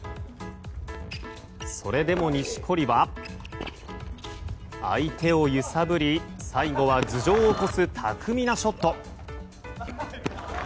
それでも錦織は相手を揺さぶり最後は頭上を越す巧みなショット。